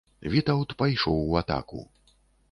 Вітаўт пайшоў у атаку.